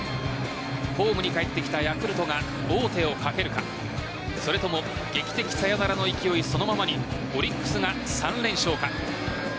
ホームに帰ってきたヤクルトが王手をかけるかそれとも劇的サヨナラの勢いそのままにオリックスが３連勝か。